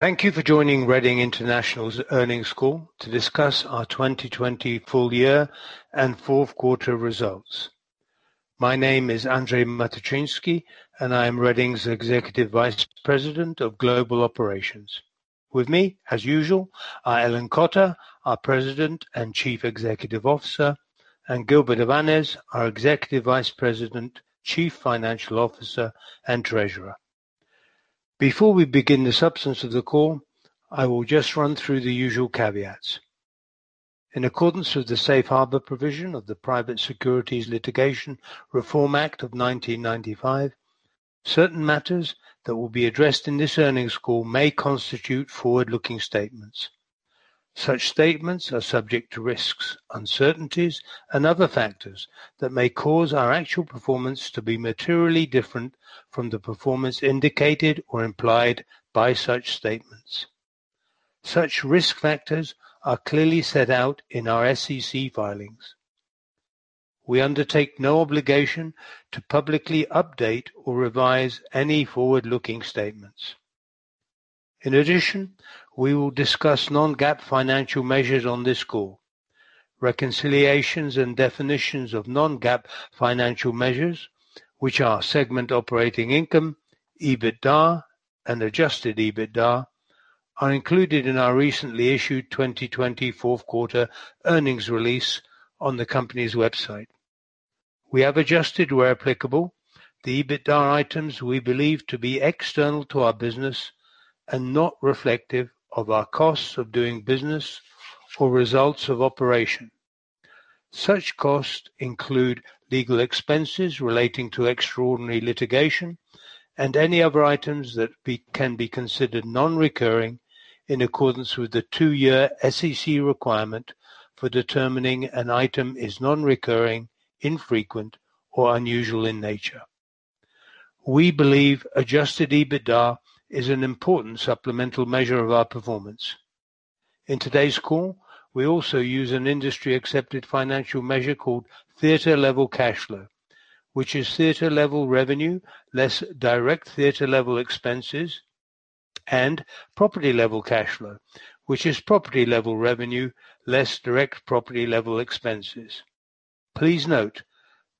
Thank you for joining Reading International's earnings call to discuss our 2020 full year and fourth quarter results. My name is Andrzej Matyczynski, and I am Reading's Executive Vice President of Global Operations. With me, as usual, are Ellen Cotter, our President and Chief Executive Officer, and Gilbert Avanes, our Executive Vice President, Chief Financial Officer, and Treasurer. Before we begin the substance of the call, I will just run through the usual caveats. In accordance with the safe harbor provision of the Private Securities Litigation Reform Act of 1995, certain matters that will be addressed in this earnings call may constitute forward-looking statements. Such statements are subject to risks, uncertainties, and other factors that may cause our actual performance to be materially different from the performance indicated or implied by such statements. Such risk factors are clearly set out in our SEC filings. We undertake no obligation to publicly update or revise any forward-looking statements. In addition, we will discuss non-GAAP financial measures on this call. Reconciliations and definitions of non-GAAP financial measures, which are segment operating income, EBITDA, and Adjusted EBITDA, are included in our recently issued 2020 fourth quarter earnings release on the company's website. We have adjusted, where applicable, the EBITDA items we believe to be external to our business and not reflective of our costs of doing business or results of operation. Such costs include legal expenses relating to extraordinary litigation and any other items that can be considered non-recurring in accordance with the two-year SEC requirement for determining an item is non-recurring, infrequent, or unusual in nature. We believe Adjusted EBITDA is an important supplemental measure of our performance. In today's call, we also use an industry-accepted financial measure called Theater Level Cash Flow, which is theater level revenue less direct theater level expenses, and Property Level Cash Flow, which is property level revenue less direct property level expenses. Please note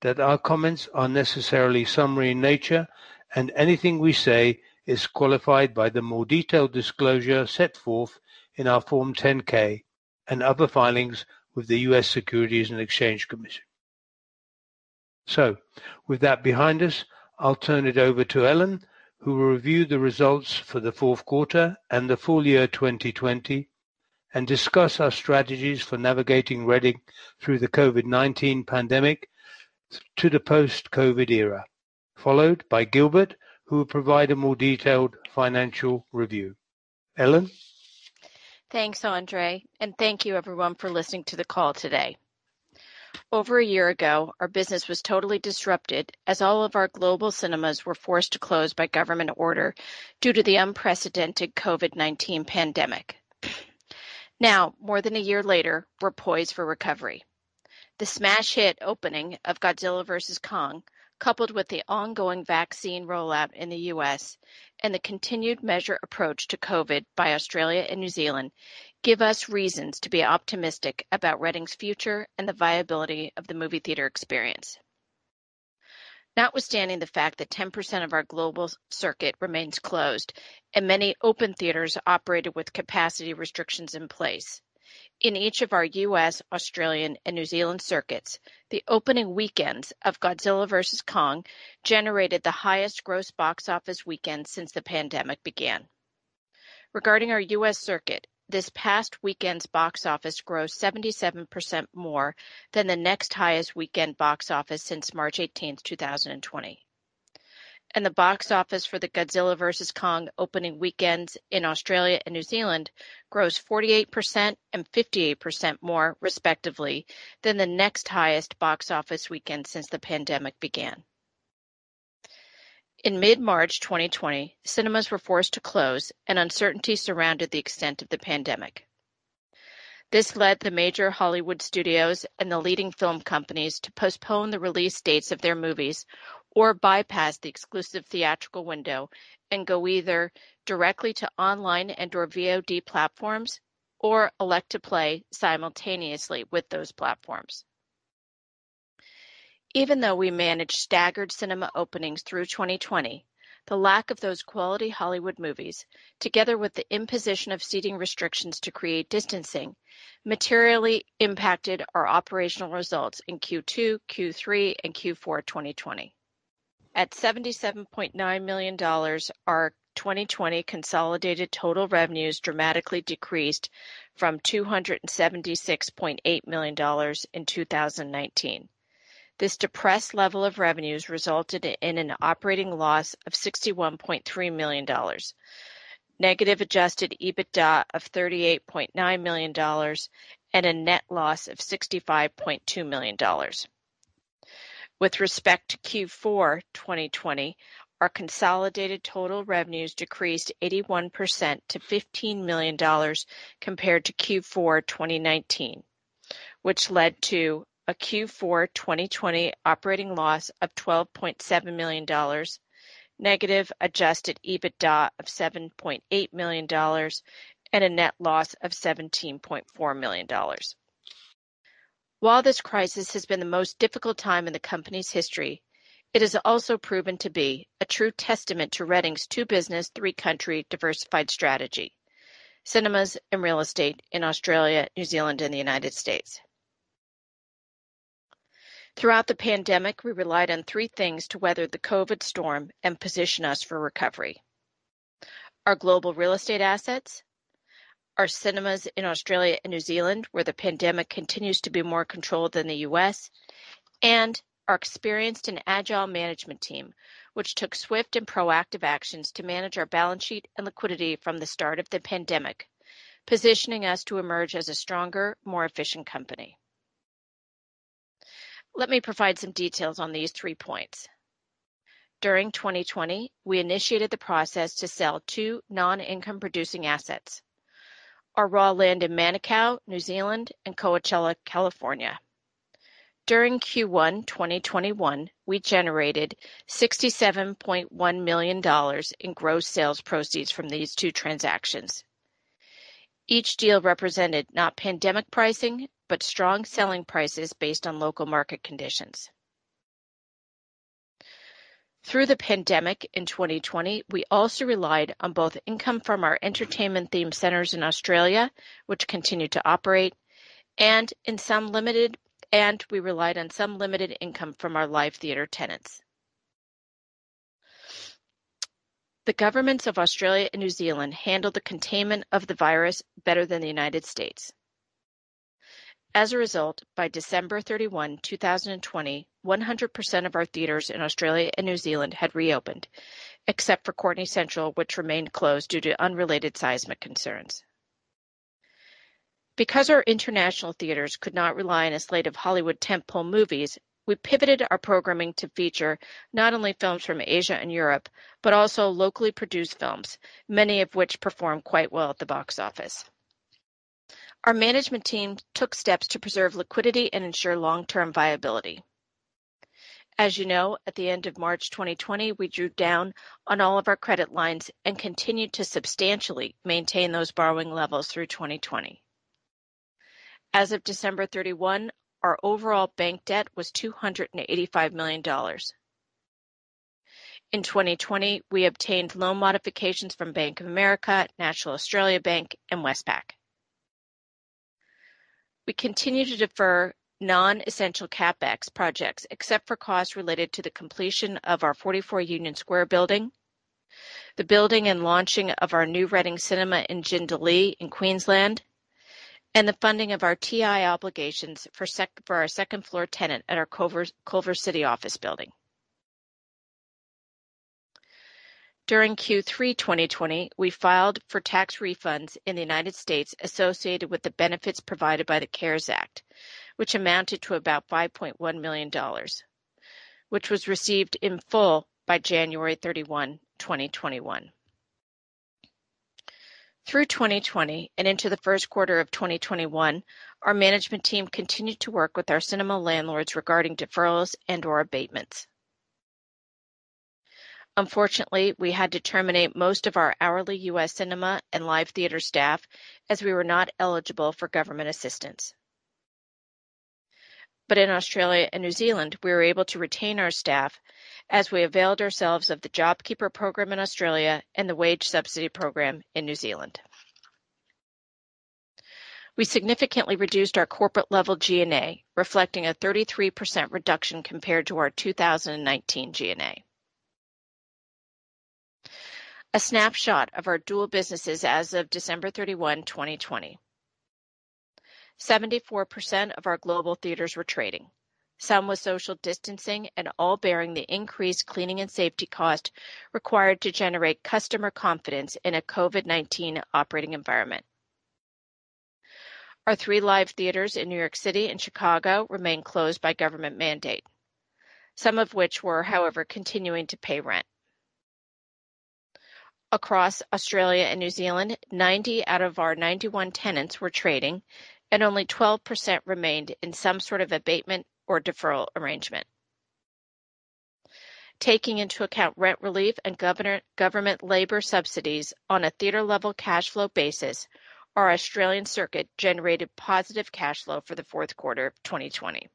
that our comments are necessarily summary in nature, and anything we say is qualified by the more detailed disclosure set forth in our Form 10-K and other filings with the U.S. Securities and Exchange Commission. With that behind us, I'll turn it over to Ellen, who will review the results for the fourth quarter and the full year 2020 and discuss our strategies for navigating Reading through the COVID-19 pandemic to the post-COVID era. Followed by Gilbert, who will provide a more detailed financial review. Ellen? Thanks, Andrzej. Thank you everyone for listening to the call today. Over a year ago, our business was totally disrupted as all of our global cinemas were forced to close by government order due to the unprecedented COVID-19 pandemic. Now, more than a year later we're poised for recovery. The smash hit opening of "Godzilla vs. Kong," coupled with the ongoing vaccine rollout in the U.S. and the continued measured approach to COVID by Australia and New Zealand give us reasons to be optimistic about Reading's future and the viability of the movie theater experience. Notwithstanding the fact that 10% of our global circuit remains closed and many open theaters operated with capacity restrictions in place. In each of our U.S., Australian, and New Zealand circuits, the opening weekends of Godzilla vs. Kong generated the highest gross box office weekend since the pandemic began. Regarding our U.S. circuit, this past weekend's box office gross 77% more than the next highest weekend box office since March 18th, 2020. The box office for the Godzilla vs. Kong opening weekends in Australia and New Zealand grossed 48% and 58% more, respectively, than the next highest box office weekend since the pandemic began. In mid-March 2020, cinemas were forced to close and uncertainty surrounded the extent of the pandemic. This led the major Hollywood studios and the leading film companies to postpone the release dates of their movies or bypass the exclusive theatrical window and go either directly to online and/or VOD platforms or elect to play simultaneously with those platforms. Even though we managed staggered cinema openings through 2020, the lack of those quality Hollywood movies, together with the imposition of seating restrictions to create distancing, materially impacted our operational results in Q2, Q3, and Q4 2020. At $77.9 million our 2020 consolidated total revenues dramatically decreased from $276.8 million in 2019. This depressed level of revenues resulted in an operating loss of $61.3 million, negative Adjusted EBITDA of $38.9 million, and a net loss of $65.2 million. With respect to Q4 2020, our consolidated total revenues decreased 81% to $15 million compared to Q4 2019, which led to a Q4 2020 operating loss of $12.7 million, negative Adjusted EBITDA of $7.8 million, and a net loss of $17.4 million. While this crisis has been the most difficult time in the company's history, it has also proven to be a true testament to Reading's two-business three-country diversified strategy. Cinemas and real estate in Australia, New Zealand, and the United States. Throughout the pandemic, we relied on three things to weather the COVID storm and position us for recovery. Our global real estate assets, our cinemas in Australia and New Zealand, where the pandemic continues to be more controlled than the U.S., and our experienced and agile management team, which took swift and proactive actions to manage our balance sheet and liquidity from the start of the pandemic, positioning us to emerge as a stronger, more efficient company. Let me provide some details on these three points. During 2020, we initiated the process to sell two non-income producing assets. Our raw land in Manukau, New Zealand and Coachella, California. During Q1 2021, we generated $67.1 million in gross sales proceeds from these two transactions. Each deal represented not pandemic pricing, but strong selling prices based on local market conditions. Through the pandemic in 2020, we also relied on both income from our Entertainment Themed Centers in Australia, which continued to operate, and we relied on some limited income from our live theater tenants. The governments of Australia and New Zealand handled the containment of the virus better than the U.S. As a result, by December 31, 2020, 100% of our theaters in Australia and New Zealand had reopened, except for Courtenay Central which remained closed due to unrelated seismic concerns. Because our international theaters could not rely on a slate of Hollywood tentpole movies, we pivoted our programming to feature not only films from Asia and Europe, but also locally produced films, many of which performed quite well at the box office. Our management team took steps to preserve liquidity and ensure long-term viability. As you know, at the end of March 2020, we drew down on all of our credit lines and continued to substantially maintain those borrowing levels through 2020. As of December 31, our overall bank debt was $285 million. In 2020, we obtained loan modifications from Bank of America, National Australia Bank, and Westpac. We continued to defer non-essential CapEx projects except for costs related to the completion of our 44 Union Square building, the building and launching of our new Reading Cinema in Jindalee in Queensland, and the funding of our TI obligations for our second-floor tenant at our Culver City office building. During Q3 2020, we filed for tax refunds in the U.S. associated with the benefits provided by the CARES Act, which amounted to about $5.1 million, which was received in full by January 31, 2021. Through 2020 and into the first quarter of 2021, our management team continued to work with our cinema landlords regarding deferrals and/or abatements. Unfortunately, we had to terminate most of our hourly U.S. cinema and live theater staff as we were not eligible for government assistance. In Australia and New Zealand, we were able to retain our staff as we availed ourselves of the JobKeeper program in Australia and the Wage Subsidy program in New Zealand. We significantly reduced our corporate level G&A, reflecting a 33% reduction compared to our 2019 G&A. A snapshot of our dual businesses as of December 31, 2020, 74% of our global theaters were trading, some with social distancing and all bearing the increased cleaning and safety cost required to generate customer confidence in a COVID-19 operating environment. Our three live theaters in New York City and Chicago remain closed by government mandate, some of which we're however continuing to pay rent. Across Australia and New Zealand, 90/91 tenants were trading, and only 12% remained in some sort of abatement or deferral arrangement. Taking into account rent relief and government labor subsidies on a Theater Level Cash Flow basis, our Australian circuit generated positive cash flow for the fourth quarter of 2020.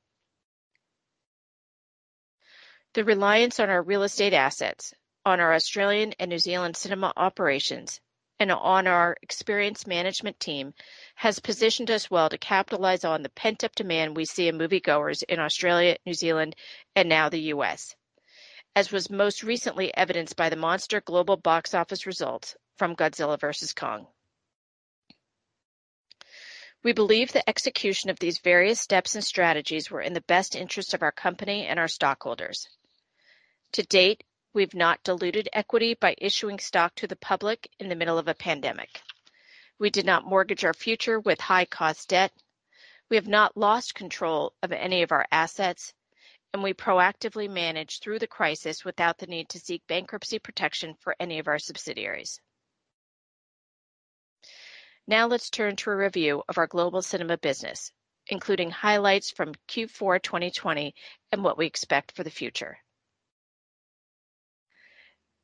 The reliance on our real estate assets, on our Australian and New Zealand cinema operations, and on our experienced management team has positioned us well to capitalize on the pent-up demand we see in moviegoers in Australia, New Zealand, and now the U.S., as was most recently evidenced by the monster global box office results from Godzilla vs. Kong. We believe the execution of these various steps and strategies were in the best interest of our company and our stockholders. To date, we've not diluted equity by issuing stock to the public in the middle of a pandemic. We did not mortgage our future with high-cost debt. We have not lost control of any of our assets and we proactively managed through the crisis without the need to seek bankruptcy protection for any of our subsidiaries. Now let's turn to a review of our global cinema business, including highlights from Q4 2020 and what we expect for the future.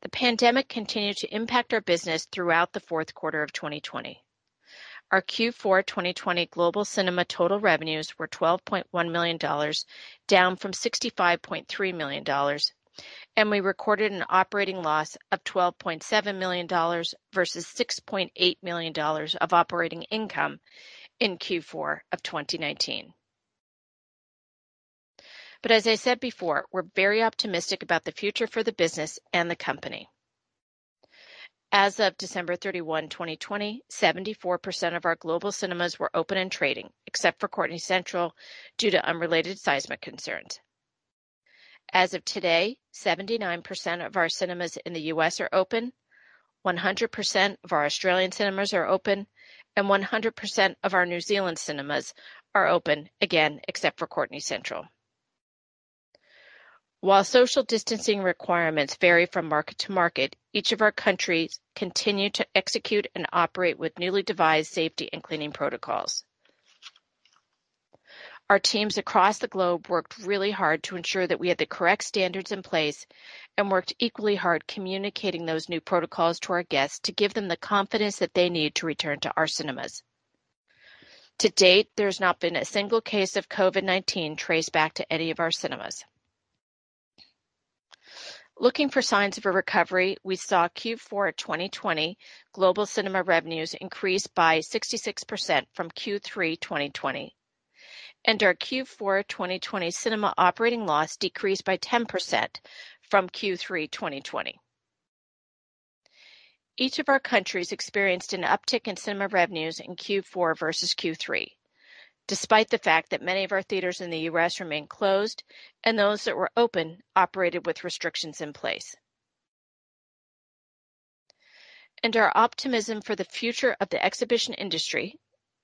The pandemic continued to impact our business throughout the fourth quarter of 2020. Our Q4 2020 global cinema total revenues were $12.1 million, down from $65.3 million, and we recorded an operating loss of $12.7 million versus $6.8 million of operating income in Q4 of 2019. As I said before, we're very optimistic about the future for the business and the company. As of December 31, 2020, 74% of our global cinemas were open and trading, except for Courtenay Central, due to unrelated seismic concerns. As of today, 79% of our cinemas in the U.S. are open, 100% of our Australian cinemas are open, and 100% of our New Zealand cinemas are open, again, except for Courtenay Central. While social distancing requirements vary from market to market, each of our countries continue to execute and operate with newly devised safety and cleaning protocols. Our teams across the globe worked really hard to ensure that we had the correct standards in place and worked equally hard communicating those new protocols to our guests to give them the confidence that they need to return to our cinemas. To date, there's not been a single case of COVID-19 traced back to any of our cinemas. Looking for signs of a recovery, we saw Q4 2020 global cinema revenues increase by 66% from Q3 2020. Our Q4 2020 cinema operating loss decreased by 10% from Q3 2020. Each of our countries experienced an uptick in cinema revenues in Q4 versus Q3. Despite the fact that many of our theaters in the U.S. remained closed, and those that were open operated with restrictions in place. Our optimism for the future of the exhibition industry,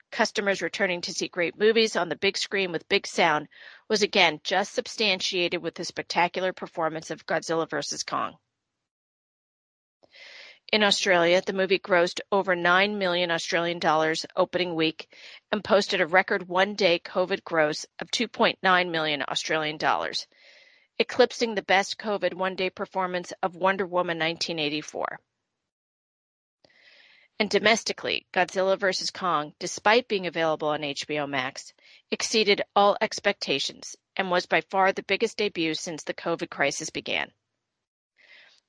customers returning to see great movies on the big screen with big sound, was again just substantiated with the spectacular performance of "Godzilla vs. Kong." In Australia, the movie grossed over 9 million Australian dollars opening week and posted a record one-day COVID gross of 2.9 million Australian dollars, eclipsing the best COVID one-day performance of "Wonder Woman 1984." Domestically, "Godzilla vs. Kong," despite being available on HBO Max, exceeded all expectations and was by far the biggest debut since the COVID crisis began.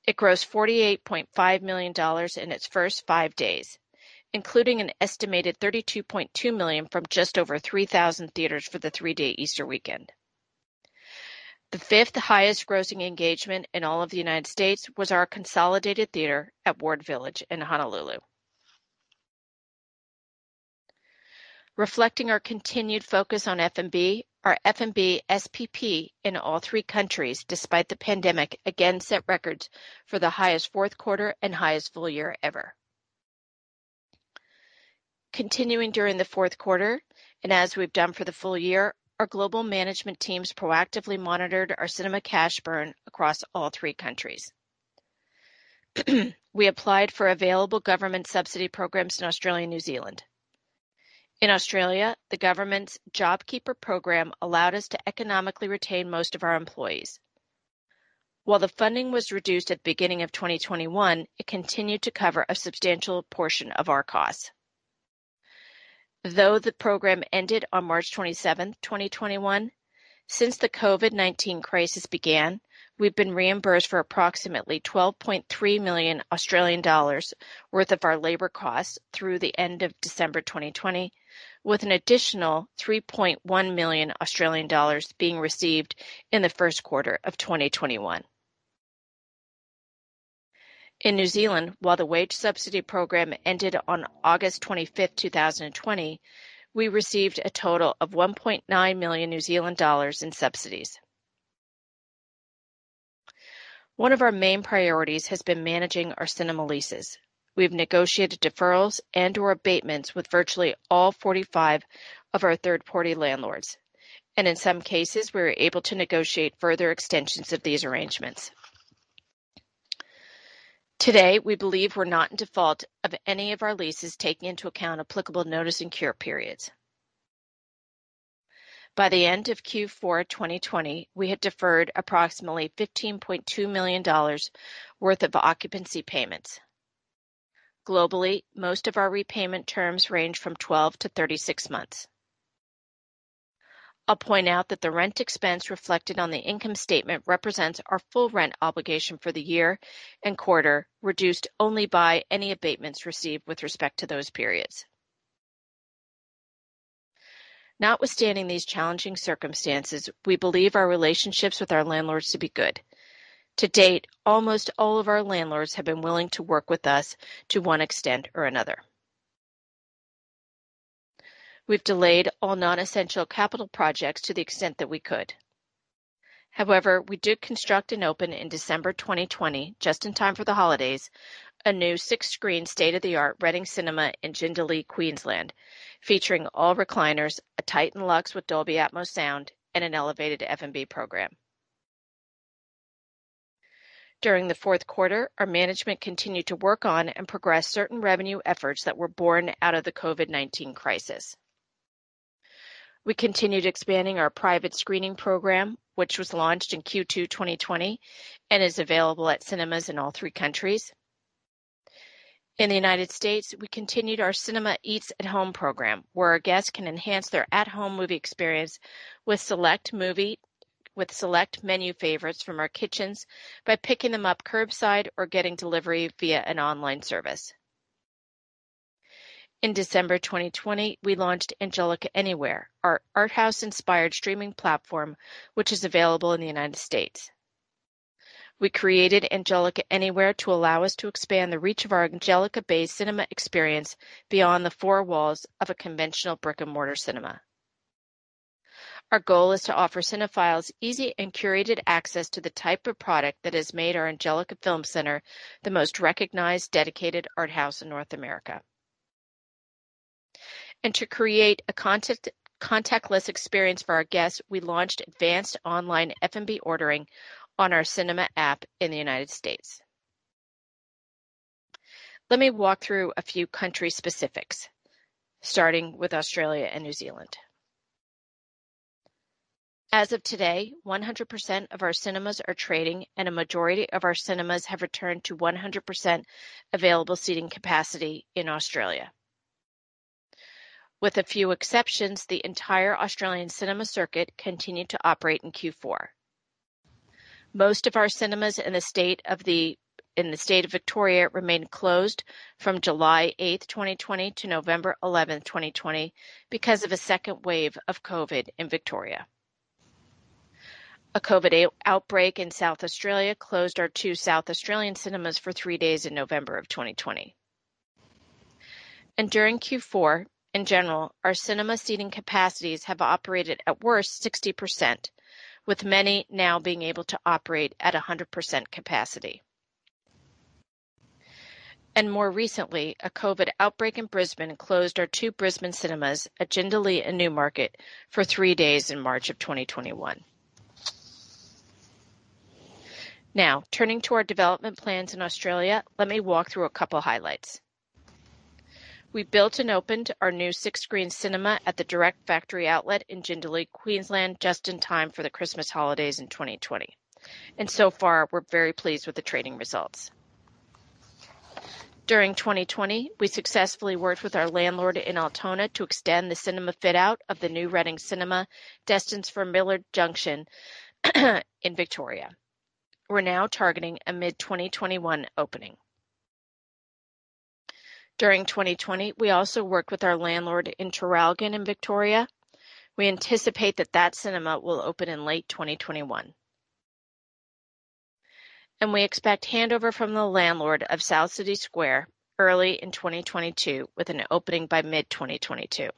It grossed $48.5 million in its first five days, including an estimated $32.2 million from just over 3,000 theaters for the three-day Easter weekend. The fifth highest grossing engagement in all of the U.S. was our consolidated theater at Ward Village in Honolulu. Reflecting our continued focus on F&B, our F&B SPP in all three countries, despite the pandemic, again set records for the highest fourth quarter and highest full year ever. Continuing during the fourth quarter, and as we've done for the full year, our global management teams proactively monitored our cinema cash burn across all three countries. We applied for available government subsidy programs in Australia and New Zealand. In Australia, the government's JobKeeper program allowed us to economically retain most of our employees. While the funding was reduced at the beginning of 2021, it continued to cover a substantial portion of our costs. Though the program ended on March 27th, 2021, since the COVID-19 crisis began, we've been reimbursed for approximately 12.3 million Australian dollars worth of our labor costs through the end of December 2020, with an additional 3.1 million Australian dollars being received in the first quarter of 2021. In New Zealand, while the wage subsidy program ended on August 25th, 2020, we received a total of 1.9 million New Zealand dollars in subsidies. One of our main priorities has been managing our cinema leases. We've negotiated deferrals and/or abatements with virtually all 45 of our third-party landlords, and in some cases, we were able to negotiate further extensions of these arrangements. Today, we believe we're not in default of any of our leases taking into account applicable notice and cure periods. By the end of Q4 2020, we had deferred approximately $15.2 million worth of occupancy payments. Globally, most of our repayment terms range from 12-36 months. I'll point out that the rent expense reflected on the income statement represents our full rent obligation for the year and quarter, reduced only by any abatements received with respect to those periods. Notwithstanding these challenging circumstances, we believe our relationships with our landlords to be good. To date, almost all of our landlords have been willing to work with us to one extent or another. We've delayed all non-essential capital projects to the extent that we could. However, we did construct and open in December 2020, just in time for the holidays, a new six-screen state-of-the-art Reading Cinemas in Jindalee, Queensland, featuring all recliners, a TITAN LUXE with Dolby Atmos sound, and an elevated F&B program. During the fourth quarter, our management continued to work on and progress certain revenue efforts that were born out of the COVID-19 crisis. We continued expanding our private screening program, which was launched in Q2 2020, and is available at cinemas in all three countries. In the U.S., we continued our Cinema Eats at Home program, where our guests can enhance their at home movie experience with select menu favorites from our kitchens by picking them up curbside or getting delivery via an online service. In December 2020, we launched Angelika Anywhere, our art house-inspired streaming platform, which is available in the U.S. We created Angelika Anywhere to allow us to expand the reach of our Angelika-based cinema experience beyond the four walls of a conventional brick-and-mortar cinema. Our goal is to offer cinephiles easy and curated access to the type of product that has made our Angelika Film Center the most recognized dedicated art house in North America. To create a contactless experience for our guests, we launched advanced online F&B ordering on our cinema app in the U.S. Let me walk through a few country specifics, starting with Australia and New Zealand. As of today, 100% of our cinemas are trading and a majority of our cinemas have returned to 100% available seating capacity in Australia. With a few exceptions, the entire Australian cinema circuit continued to operate in Q4. Most of our cinemas in the state of Victoria remained closed from July 8th, 2020 to November 11th, 2020 because of a second wave of COVID in Victoria. A COVID outbreak in South Australia closed our two South Australian cinemas for three days in November of 2020. During Q4, in general, our cinema seating capacities have operated at worse 60%, with many now being able to operate at 100% capacity. More recently, a COVID outbreak in Brisbane closed our two Brisbane cinemas at Jindalee and Newmarket for three days in March of 2021. Turning to our development plans in Australia, let me walk through a couple highlights. We built and opened our new six-screen cinema at the Direct Factory Outlet in Jindalee, Queensland, just in time for the Christmas holidays in 2020. So far, we're very pleased with the trading results. During 2020, we successfully worked with our landlord in Altona to extend the cinema fit-out of the new Reading Cinema destined for Millers Junction in Victoria. We're now targeting a mid 2021 opening. During 2020, we also worked with our landlord in Traralgon in Victoria. We anticipate that cinema will open in late 2021. We expect handover from the landlord of South City Square early in 2022, with an opening by mid 2022.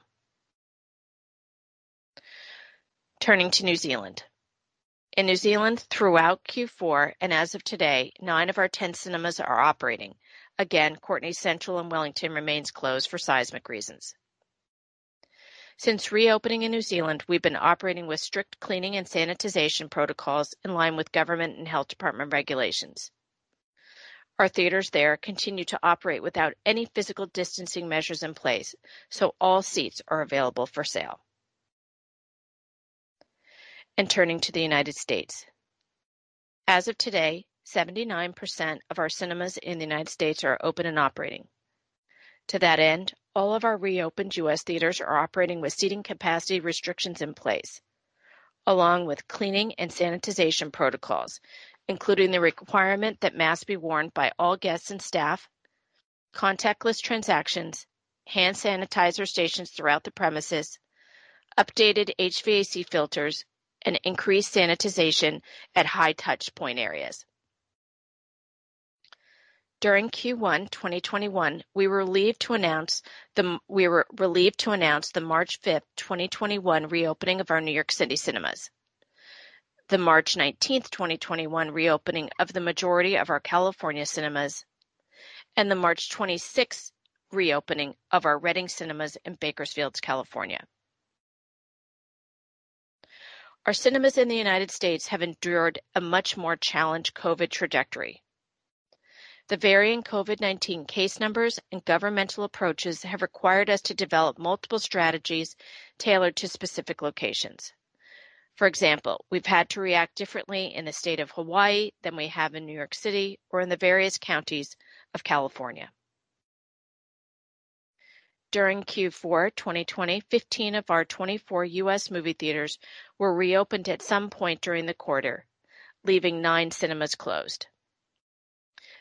Turning to New Zealand. In New Zealand, throughout Q4 and as of today, nine of our 10 cinemas are operating. Courtenay Central in Wellington remains closed for seismic reasons. Since reopening in New Zealand, we've been operating with strict cleaning and sanitization protocols in line with government and health department regulations. Our theaters there continue to operate without any physical distancing measures in place, all seats are available for sale. Turning to the U.S. As of today, 79% of our cinemas in the U.S. are open and operating. To that end, all of our reopened U.S. theaters are operating with seating capacity restrictions in place, along with cleaning and sanitization protocols. Including the requirement that masks be worn by all guests and staff, contactless transactions, hand sanitizer stations throughout the premises, updated HVAC filters, and increased sanitization at high touch point areas. During Q1 2021, we were relieved to announce the March 5th, 2021 reopening of our New York City cinemas, the March 19th, 2021 reopening of the majority of our California cinemas, and the March 26th reopening of our Reading Cinemas in Bakersfield, California. Our cinemas in the United States have endured a much more challenged COVID trajectory. The varying COVID-19 case numbers and governmental approaches have required us to develop multiple strategies tailored to specific locations. For example, we've had to react differently in the state of Hawaii than we have in New York City or in the various counties of California. During Q4 2020, 15/24 U.S. movie theaters were reopened at some point during the quarter, leaving nine cinemas closed.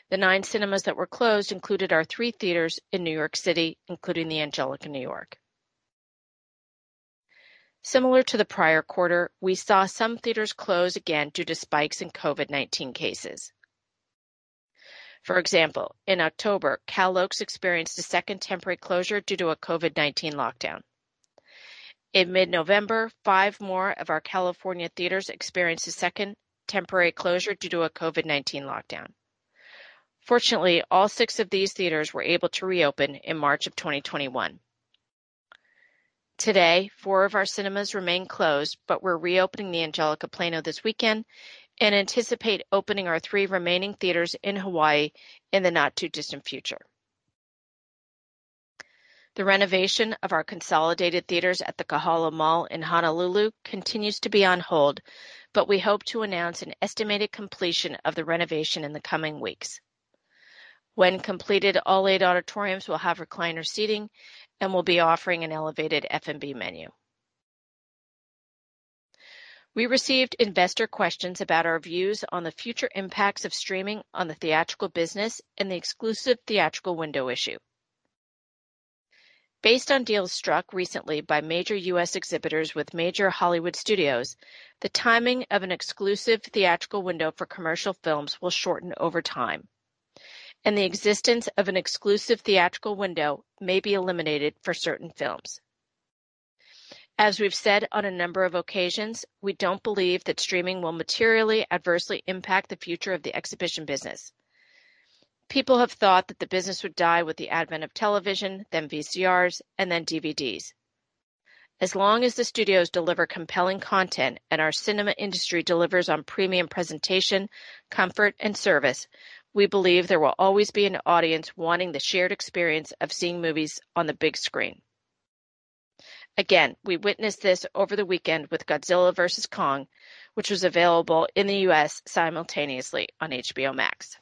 The nine cinemas that were closed included our three theaters in New York City, including the Angelika New York. Similar to the prior quarter, we saw some theaters close again due to spikes in COVID-19 cases. For example, in October, Cal Oaks experienced a second temporary closure due to a COVID-19 lockdown. In mid-November, five more of our California theaters experienced a second temporary closure due to a COVID-19 lockdown. Fortunately, all six of these theaters were able to reopen in March of 2021. Today, four of our cinemas remain closed, but we're reopening the Angelika Plano this weekend and anticipate opening our three remaining theaters in Hawaii in the not too distant future. The renovation of our consolidated theaters at the Kahala Mall in Honolulu continues to be on hold, but we hope to announce an estimated completion of the renovation in the coming weeks. When completed, all eight auditoriums will have recliner seating and will be offering an elevated F&B menu. We received investor questions about our views on the future impacts of streaming on the theatrical business and the exclusive theatrical window issue. Based on deals struck recently by major US exhibitors with major Hollywood studios, the timing of an exclusive theatrical window for commercial films will shorten over time, and the existence of an exclusive theatrical window may be eliminated for certain films. As we've said on a number of occasions, we don't believe that streaming will materially adversely impact the future of the exhibition business. People have thought that the business would die with the advent of television, then VCRs, and then DVDs. As long as the studios deliver compelling content and our cinema industry delivers on premium presentation, comfort, and service, we believe there will always be an audience wanting the shared experience of seeing movies on the big screen. We witnessed this over the weekend with "Godzilla vs. Kong," which was available in the U.S. simultaneously on HBO Max.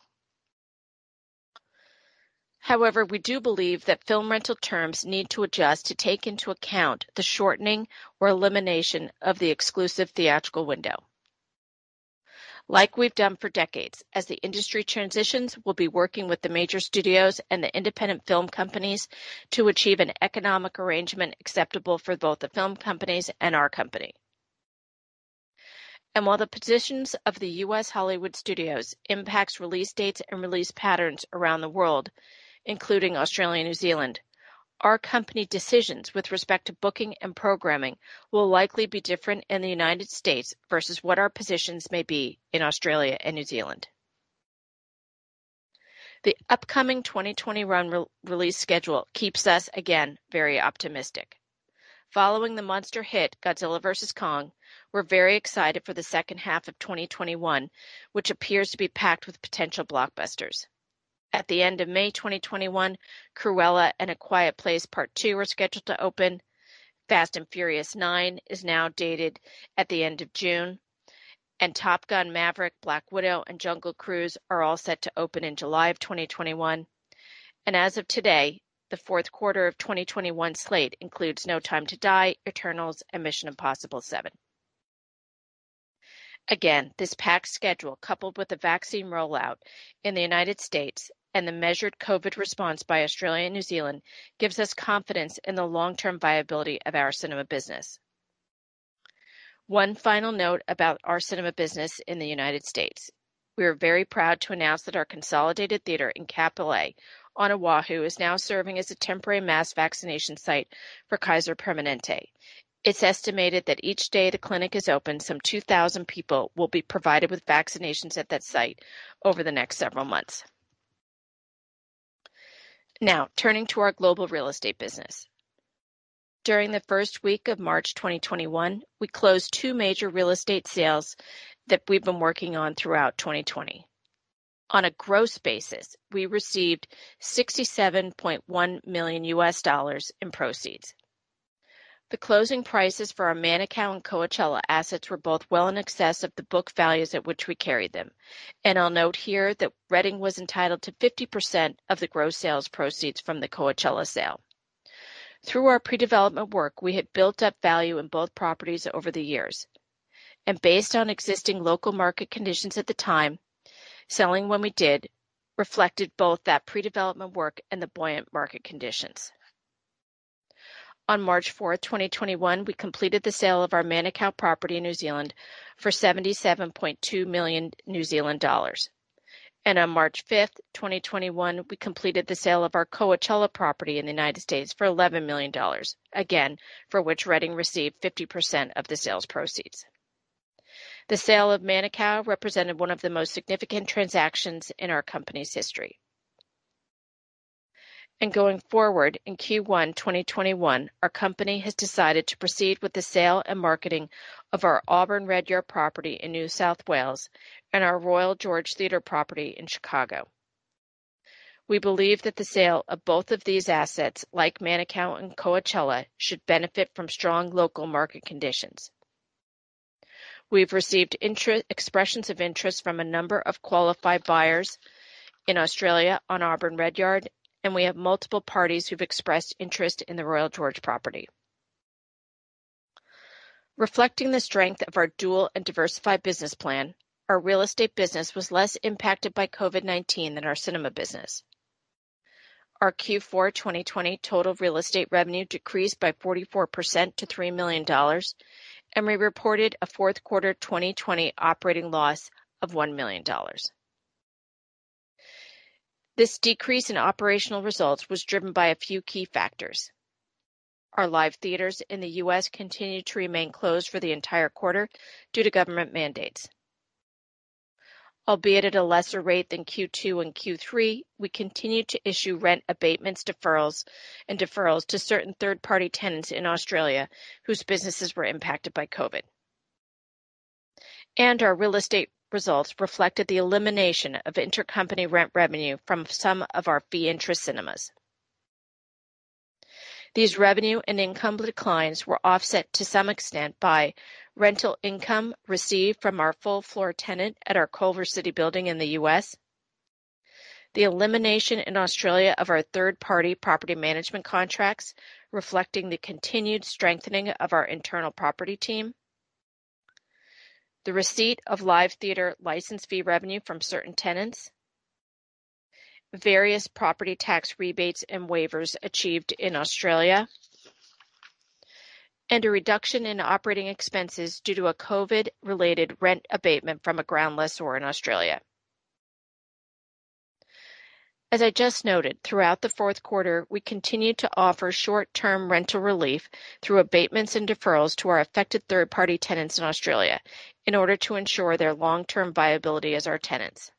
We do believe that film rental terms need to adjust to take into account the shortening or elimination of the exclusive theatrical window. Like we've done for decades, as the industry transitions, we'll be working with the major studios and the independent film companies to achieve an economic arrangement acceptable for both the film companies and our company. While the positions of the U.S. Hollywood studios impacts release dates and release patterns around the world, including Australia and New Zealand, our company decisions with respect to booking and programming will likely be different in the United States versus what our positions may be in Australia and New Zealand. The upcoming 2021 release schedule keeps us, again, very optimistic. Following the monster hit "Godzilla vs. Kong," we're very excited for the second half of 2021, which appears to be packed with potential blockbusters. At the end of May 2021, "Cruella" and "A Quiet Place Part II" are scheduled to open. "Fast & Furious 9" is now dated at the end of June. "Top Gun: Maverick," "Black Widow," and "Jungle Cruise" are all set to open in July of 2021. As of today, the fourth quarter of 2021 slate includes "No Time to Die," "Eternals," and "Mission Impossible 7." Again, this packed schedule, coupled with the vaccine rollout in the U.S. and the measured COVID response by Australia and New Zealand, gives us confidence in the long-term viability of our cinema business. One final note about our cinema business in the U.S. We are very proud to announce that our consolidated theater in Kapolei on Oahu is now serving as a temporary mass vaccination site for Kaiser Permanente. It's estimated that each day the clinic is open, some 2,000 people will be provided with vaccinations at that site over the next several months. Now, turning to our global real estate business. During the first week of March 2021, we closed two major real estate sales that we've been working on throughout 2020. On a gross basis, we received $67.1 million in proceeds. The closing prices for our Manukau and Coachella assets were both well in excess of the book values at which we carried them. I'll note here that Reading was entitled to 50% of the gross sales proceeds from the Coachella sale. Through our pre-development work, we had built up value in both properties over the years. Based on existing local market conditions at the time, selling when we did reflected both that pre-development work and the buoyant market conditions. On March 4, 2021, we completed the sale of our Manukau property in New Zealand for 77.2 million New Zealand dollars. On March 5, 2021, we completed the sale of our Coachella property in the United States for $11 million. Again, for which Reading received 50% of the sales proceeds. The sale of Manukau represented one of the most significant transactions in our company's history. Going forward in Q1 2021, our company has decided to proceed with the sale and marketing of our Auburn Redyard property in New South Wales and our Royal George Theatre property in Chicago. We believe that the sale of both of these assets, like Manukau and Coachella, should benefit from strong local market conditions. We've received expressions of interest from a number of qualified buyers in Australia on Auburn Redyard, and we have multiple parties who've expressed interest in the Royal George property. Reflecting the strength of our dual and diversified business plan, our real estate business was less impacted by COVID-19 than our cinema business. Our Q4 2020 total real estate revenue decreased by 44% to $3 million, and we reported a fourth quarter 2020 operating loss of $1 million. This decrease in operational results was driven by a few key factors. Our live theaters in the U.S. continued to remain closed for the entire quarter due to government mandates. Albeit at a lesser rate than Q2 and Q3, we continued to issue rent abatements and deferrals to certain third-party tenants in Australia whose businesses were impacted by COVID. Our real estate results reflected the elimination of intercompany rent revenue from some of our fee interest cinemas. These revenue and income declines were offset to some extent by rental income received from our full floor tenant at our Culver City building in the U.S., the elimination in Australia of our third-party property management contracts reflecting the continued strengthening of our internal property team, the receipt of live theater license fee revenue from certain tenants, various property tax rebates and waivers achieved in Australia, and a reduction in operating expenses due to a COVID-related rent abatement from a ground lessor in Australia. As I just noted, throughout the fourth quarter, we continued to offer short-term rental relief through abatements and deferrals to our affected third-party tenants in Australia in order to ensure their long-term viability as our tenants.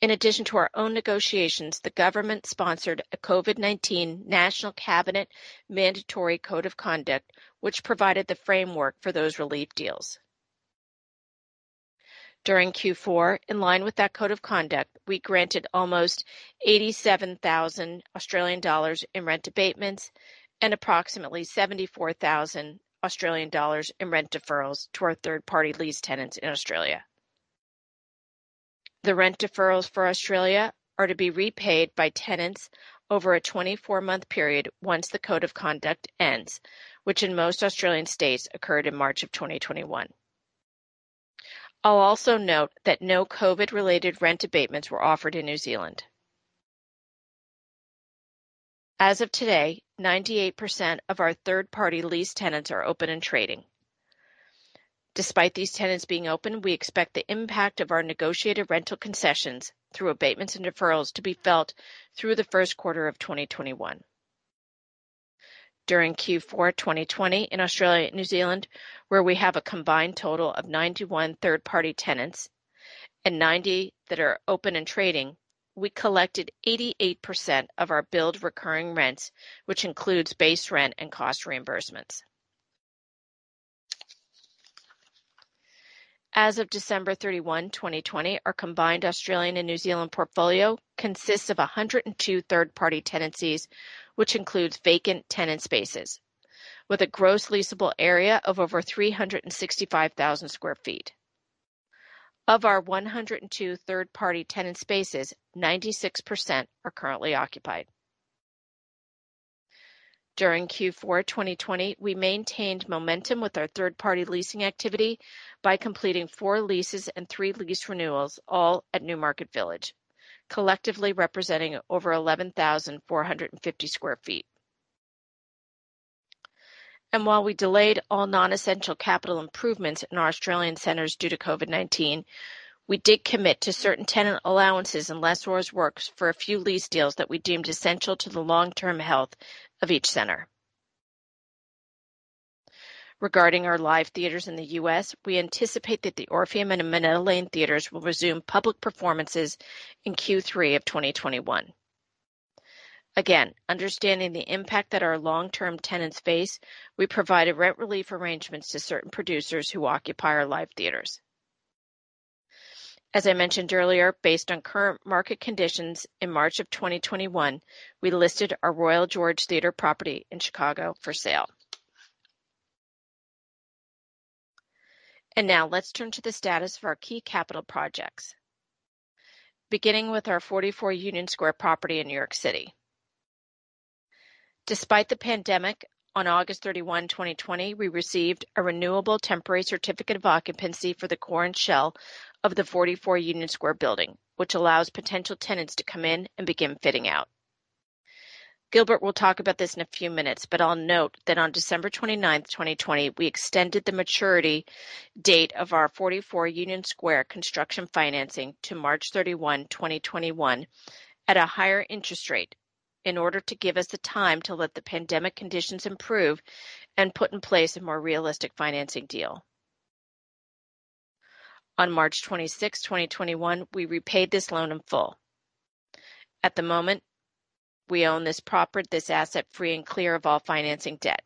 In addition to our own negotiations, the government sponsored a COVID-19 National Cabinet Mandatory Code of Conduct, which provided the framework for those relief deals. During Q4, in line with that code of conduct, we granted almost 87,000 Australian dollars in rent abatements and approximately 74,000 Australian dollars in rent deferrals to our third-party lease tenants in Australia. The rent deferrals for Australia are to be repaid by tenants over a 24-month period once the code of conduct ends, which in most Australian states occurred in March of 2021. I'll also note that no COVID-related rent abatements were offered in New Zealand. As of today, 98% of our third-party lease tenants are open and trading. Despite these tenants being open, we expect the impact of our negotiated rental concessions through abatements and deferrals to be felt through the first quarter of 2021. During Q4 2020 in Australia and New Zealand, where we have a combined total of 91 third-party tenants and 90 that are open and trading, we collected 88% of our billed recurring rents, which includes base rent and cost reimbursements. As of December 31, 2020, our combined Australian and New Zealand portfolio consists of 102 third-party tenancies, which includes vacant tenant spaces, with a gross leasable area of over 365,000 sq ft. Of our 102 third-party tenant spaces, 96% are currently occupied. During Q4 2020, we maintained momentum with our third-party leasing activity by completing four leases and three lease renewals, all at Newmarket Village, collectively representing over 11,450 sq ft. While we delayed all non-essential capital improvements in our Australian centers due to COVID-19, we did commit to certain tenant allowances and lessors works for a few lease deals that we deemed essential to the long-term health of each center. Regarding our live theaters in the U.S., we anticipate that the Orpheum and the Minetta Lane theaters will resume public performances in Q3 of 2021. Again, understanding the impact that our long-term tenants face, we provided rent relief arrangements to certain producers who occupy our live theaters. As I mentioned earlier, based on current market conditions, in March of 2021, we listed our Royal George Theater property in Chicago for sale. Now let's turn to the status of our key capital projects. Beginning with our 44 Union Square property in New York City. Despite the pandemic, on August 31, 2020, we received a renewable temporary certificate of occupancy for the core and shell of the 44 Union Square building, which allows potential tenants to come in and begin fitting out. Gilbert will talk about this in a few minutes, but I'll note that on December 29, 2020, we extended the maturity date of our 44 Union Square construction financing to March 31, 2021, at a higher interest rate in order to give us the time to let the pandemic conditions improve and put in place a more realistic financing deal. On March 26, 2021, we repaid this loan in full. At the moment, we own this asset free and clear of all financing debt.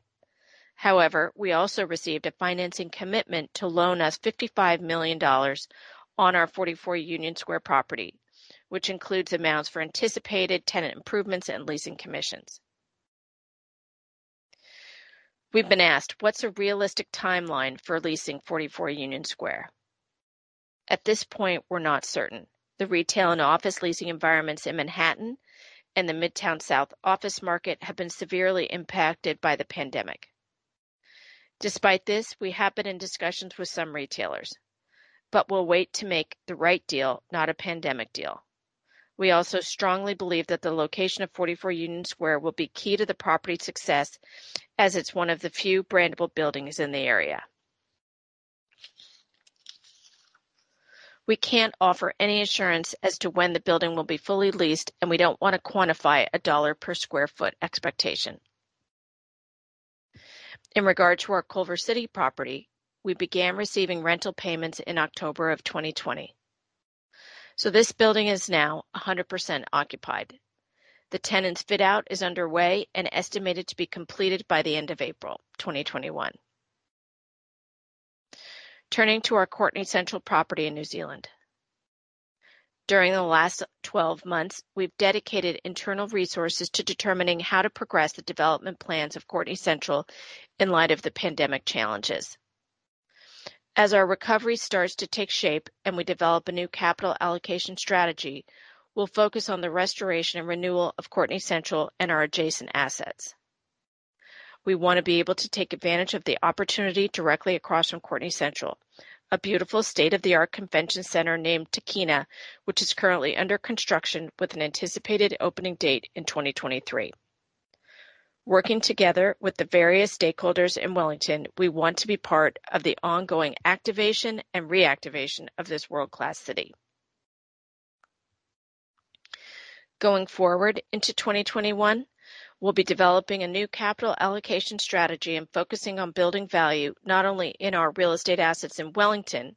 However, we also received a financing commitment to loan us $55 million on our 44 Union Square property, which includes amounts for anticipated tenant improvements and leasing commissions. We've been asked what's a realistic timeline for leasing 44 Union Square? At this point we're not certain. The retail and office leasing environments in Manhattan and the Midtown South office market have been severely impacted by the pandemic. We have been in discussions with some retailers. We'll wait to make the right deal, not a pandemic deal. We also strongly believe that the location of 44 Union Square will be key to the property's success as it's one of the few brandable buildings in the area. We can't offer any assurance as to when the building will be fully leased, and we don't want to quantify a dollar per square foot expectation. In regard to our Culver City property, we began receiving rental payments in October of 2020. This building is now 100% occupied. The tenant's fit-out is underway and estimated to be completed by the end of April 2021. Turning to our Courtenay Central property in New Zealand. During the last 12 months, we've dedicated internal resources to determining how to progress the development plans of Courtenay Central in light of the pandemic challenges. As our recovery starts to take shape and we develop a new capital allocation strategy, we'll focus on the restoration and renewal of Courtenay Central and our adjacent assets. We want to be able to take advantage of the opportunity directly across from Courtenay Central, a beautiful state-of-the-art convention center named Te Papa which is currently under construction with an anticipated opening date in 2023. Working together with the various stakeholders in Wellington, we want to be part of the ongoing activation and reactivation of this world-class city. Going forward into 2021, we'll be developing a new capital allocation strategy and focusing on building value, not only in our real estate assets in Wellington,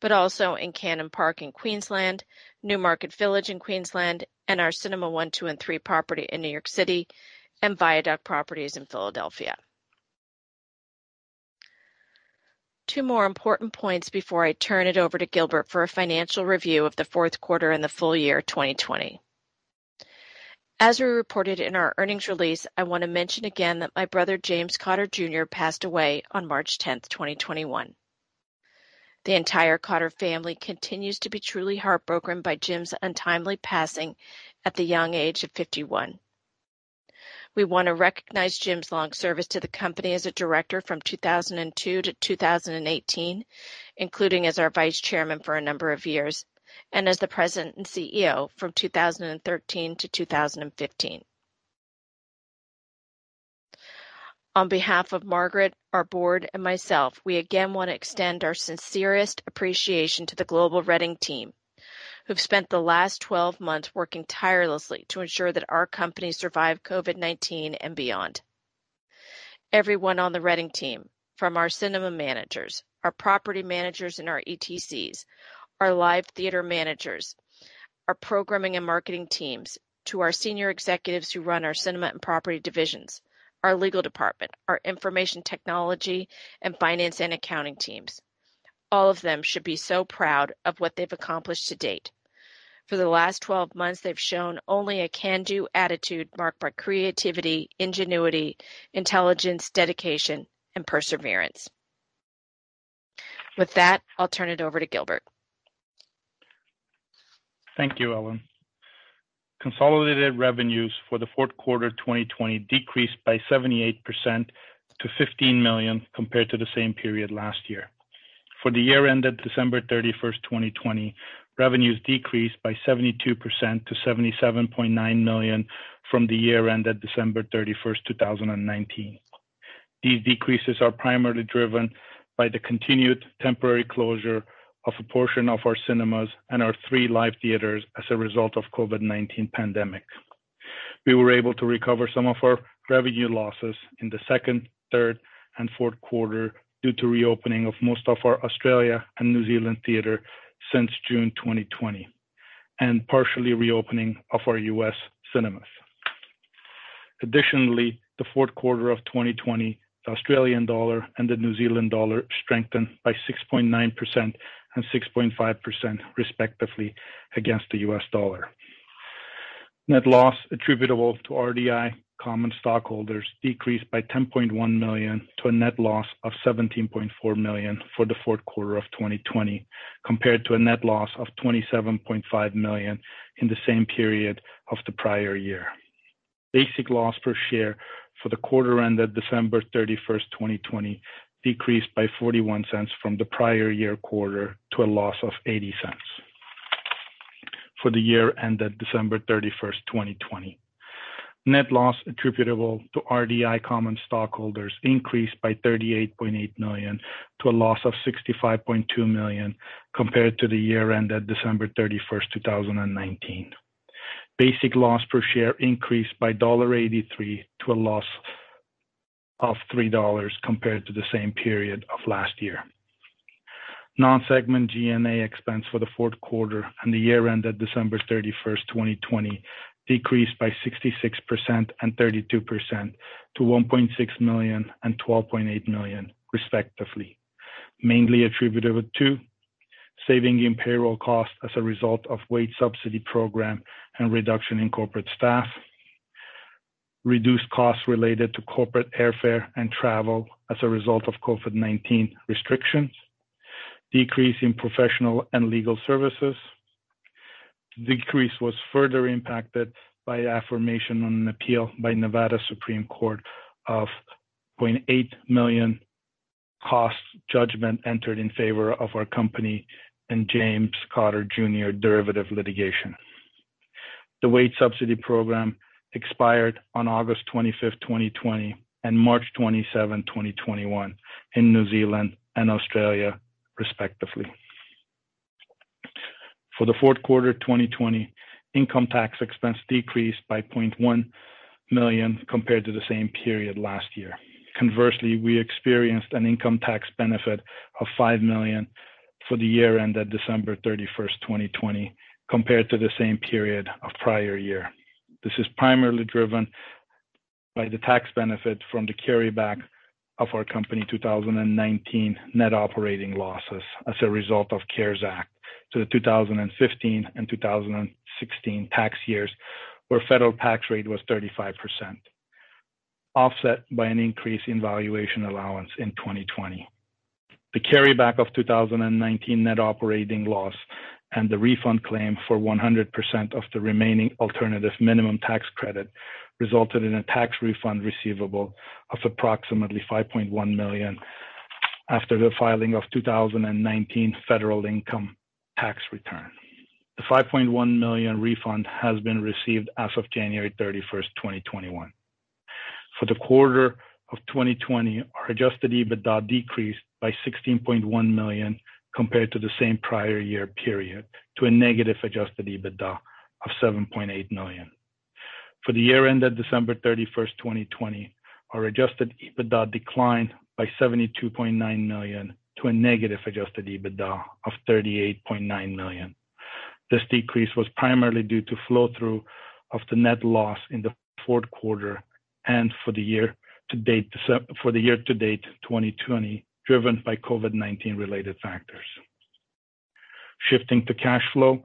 but also in Cannon Park in Queensland, Newmarket Village in Queensland, and our Cinema 1, 2, and 3 property in New York City, and Viaduct Properties in Philadelphia. Two more important points before I turn it over to Gilbert for a financial review of the fourth quarter and the full year 2020. As we reported in our earnings release, I want to mention again that my brother, James Cotter Jr. passed away on March 10th, 2021. The entire Cotter family continues to be truly heartbroken by Jim's untimely passing at the young age of 51. We want to recognize Jim's long service to the company as a Director from 2002 to 2018, including as our Vice Chairman for a number of years, and as the President and CEO from 2013 to 2015. On behalf of Margaret, our board, and myself, we again want to extend our sincerest appreciation to the global Reading team, who've spent the last 12 months working tirelessly to ensure that our company survive COVID-19 and beyond. Everyone on the Reading team, from our cinema managers, our property managers, and our ETCs, our live theater managers, our programming and marketing teams, to our senior executives who run our cinema and property divisions, our legal department, our information technology, and finance and accounting teams. All of them should be so proud of what they've accomplished to date. For the last 12 months, they've shown only a can-do attitude marked by creativity, ingenuity, intelligence, dedication, and perseverance. With that, I'll turn it over to Gilbert. Thank you, Ellen. Consolidated revenues for the fourth quarter 2020 decreased by 78% to $15 million compared to the same period last year. For the year ended December 31st, 2020, revenues decreased by 72% to $77.9 million from the year ended December 31st, 2019. These decreases are primarily driven by the continued temporary closure of a portion of our cinemas and our three live theaters as a result of COVID-19 pandemic. We were able to recover some of our revenue losses in the second, third, and fourth quarter due to reopening of most of our Australia and New Zealand theater since June 2020, and partially reopening of our U.S. cinemas. Additionally, the fourth quarter of 2020, the Australian dollar and the New Zealand dollar strengthened by 6.9% and 6.5% respectively against the U.S. dollar. Net loss attributable to RDI common stockholders decreased by $10.1 million to a net loss of $17.4 million for the fourth quarter of 2020 compared to a net loss of $27.5 million in the same period of the prior year. Basic loss per share for the quarter ended December 31st, 2020 decreased by $0.41 from the prior year quarter to a loss of $0.80. For the year ended December 31st, 2020, net loss attributable to RDI common stockholders increased by $38.8 million to a loss of $65.2 million compared to the year ended December 31st, 2019. Basic loss per share increased by $1.83 to a loss of $3 compared to the same period of last year. Non-segment G&A expense for the fourth quarter and the year ended December 31st, 2020 decreased by 66% and 32% to $1.6 million and $12.8 million respectively, mainly attributable to saving in payroll costs as a result of wage subsidy program and reduction in corporate staff. Reduced costs related to corporate airfare and travel as a result of COVID-19 restrictions. Decrease in professional and legal services. Decrease was further impacted by affirmation on an appeal by Nevada Supreme Court of $0.8 million costs judgment entered in favor of our company and James Cotter Jr. derivative litigation. The wage subsidy program expired on August 25th, 2020 and March 27, 2021 in New Zealand and Australia, respectively. For the fourth quarter 2020, income tax expense decreased by $0.1 million compared to the same period last year. Conversely, we experienced an income tax benefit of $5 million for the year ended December 31st, 2020, compared to the same period of prior year. This is primarily driven by the tax benefit from the carryback of our company 2019 Net Operating Losses as a result of CARES Act to the 2015 and 2016 tax years, where federal tax rate was 35%, offset by an increase in valuation allowance in 2020. The carryback of 2019 Net Operating Loss and the refund claim for 100% of the remaining alternative minimum tax credit resulted in a tax refund receivable of approximately $5.1 million after the filing of 2019 federal income tax return. The $5.1 million refund has been received as of January 31st, 2021. For the quarter of 2020, our Adjusted EBITDA decreased by $16.1 million compared to the same prior year period, to a negative Adjusted EBITDA of $7.8 million. For the year ended December 31st, 2020, our Adjusted EBITDA declined by $72.9 million to a negative Adjusted EBITDA of $38.9 million. This decrease was primarily due to flow-through of the net loss in the fourth quarter and for the year to date 2020, driven by COVID-19 related factors. Shifting to cash flow.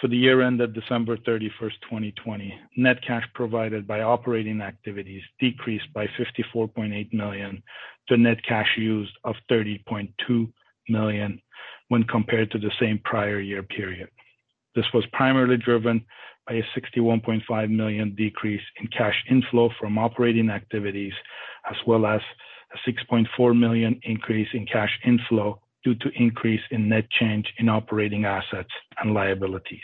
For the year ended December 31st, 2020, net cash provided by operating activities decreased by $54.8 million to net cash used of $30.2 million when compared to the same prior year period. This was primarily driven by a $61.5 million decrease in cash inflow from operating activities, as well as a $6.4 million increase in cash inflow due to increase in net change in operating assets and liabilities.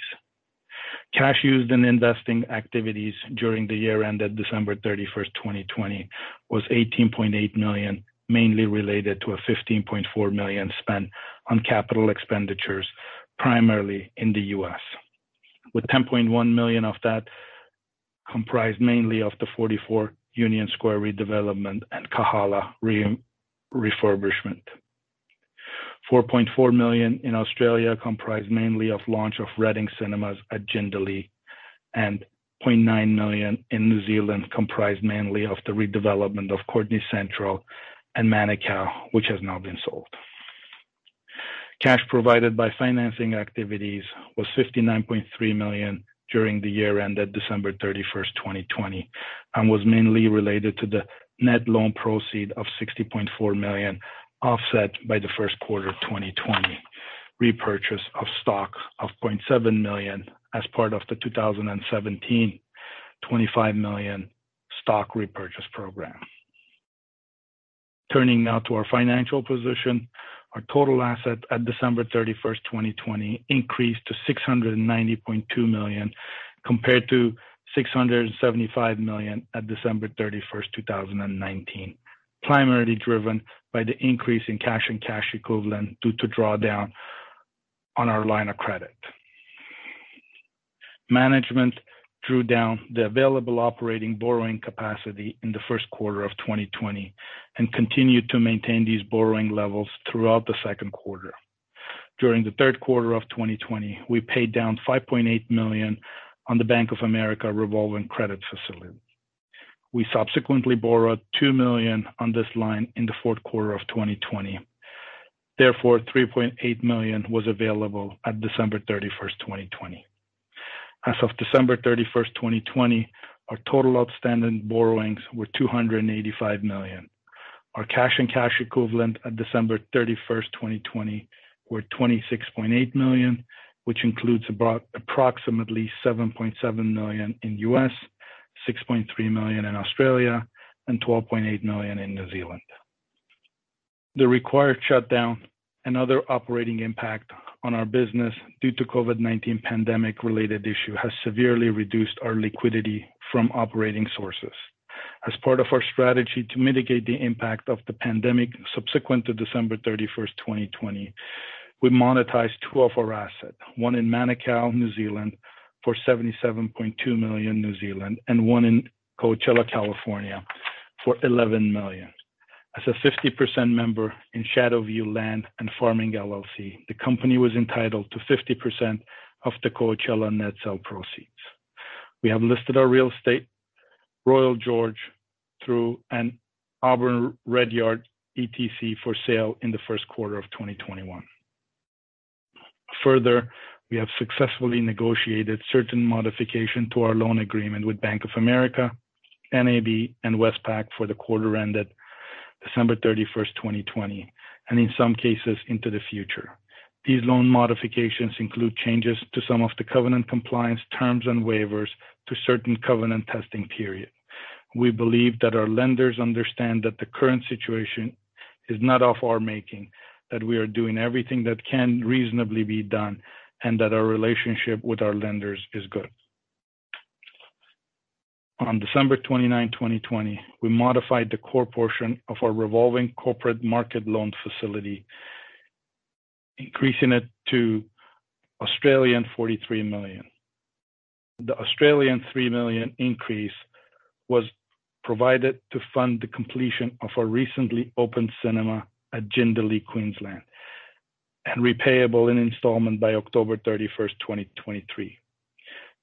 Cash used in investing activities during the year ended December 31st, 2020 was $18.8 million, mainly related to a $15.4 million spent on capital expenditures, primarily in the U.S., with $10.1 million of that comprised mainly of the 44 Union Square redevelopment and Kahala refurbishment. $4.4 million in Australia comprised mainly of launch of Reading Cinemas at Jindalee, and $0.9 million in New Zealand comprised mainly of the redevelopment of Courtenay Central and Manukau, which has now been sold. Cash provided by financing activities was $59.3 million during the year ended December 31st, 2020, and was mainly related to the net loan proceed of $60.4 million, offset by the first quarter 2020 repurchase of stock of $0.7 million as part of the 2017, $25 million stock repurchase program. Turning now to our financial position. Our total assets at December 31st, 2020 increased to $690.2 million compared to $675 million at December 31st, 2019, primarily driven by the increase in cash and cash equivalents due to drawdown on our line of credit. Management drew down the available operating borrowing capacity in the first quarter of 2020 and continued to maintain these borrowing levels throughout the second quarter. During the third quarter of 2020, we paid down $5.8 million on the Bank of America revolving credit facility. We subsequently borrowed $2 million on this line in the fourth quarter of 2020, therefore $3.8 million was available at December 31st, 2020. As of December 31st, 2020, our total outstanding borrowings were $285 million. Our cash and cash equivalents at December 31st, 2020 were $26.8 million, which includes approximately $7.7 million in U.S., $6.3 million in Australia, and $12.8 million in New Zealand. The required shutdown and other operating impact on our business due to COVID-19 pandemic related issue has severely reduced our liquidity from operating sources. As part of our strategy to mitigate the impact of the pandemic subsequent to December 31st, 2020, we monetized two of our assets, one in Manukau, New Zealand, for 77.2 million, and one in Coachella, California, for $11 million. As a 50% member in Shadow View Land and Farming LLC, the company was entitled to 50% of the Coachella net sale proceeds. We have listed our real estate, Royal George Theatre and Auburn Redyard ETC for sale in the first quarter of 2021. We have successfully negotiated certain modification to our loan agreement with Bank of America, NAB, and Westpac for the quarter ended December 31st, 2020, and in some cases into the future. These loan modifications include changes to some of the covenant compliance terms and waivers to certain covenant testing period. We believe that our lenders understand that the current situation is not of our making, that we are doing everything that can reasonably be done, and that our relationship with our lenders is good. On December 29, 2020, we modified the core portion of our revolving corporate market loan facility, increasing it to 43 million. The 3 million increase was provided to fund the completion of our recently opened cinema at Jindalee, Queensland and repayable in installment by October 31st, 2023.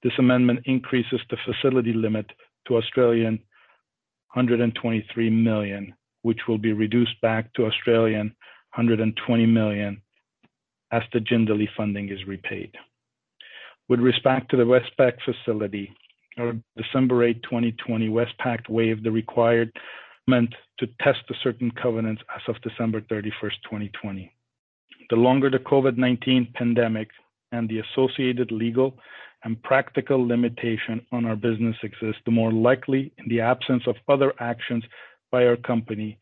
This amendment increases the facility limit to 123 million, which will be reduced back to 120 million as the Jindalee funding is repaid. With respect to the Westpac facility, on December 8, 2020, Westpac waived the requirement to test the certain covenants as of December 31st, 2020. The longer the COVID-19 pandemic and the associated legal and practical limitation on our business exists, the more likely, in the absence of other actions by our company,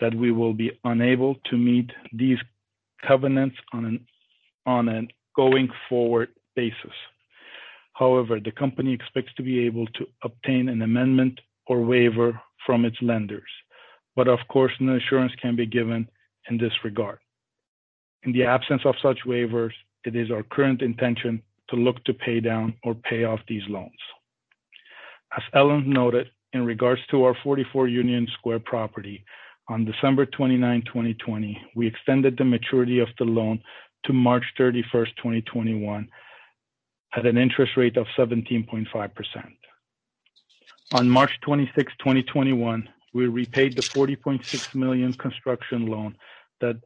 that we will be unable to meet these covenants on a going-forward basis. The company expects to be able to obtain an amendment or waiver from its lenders. Of course, no assurance can be given in this regard. In the absence of such waivers, it is our current intention to look to pay down or pay off these loans. As Ellen noted, in regards to our 44 Union Square property, on December 29, 2020, we extended the maturity of the loan to March 31st, 2021, at an interest rate of 17.5%. On March 26, 2021, we repaid the $40.6 million construction loan. That